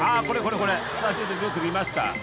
これこれこれスタジオでよく見ました